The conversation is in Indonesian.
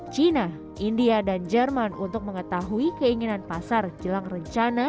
china india dan jerman untuk mengetahui keinginan pasar jelang rencana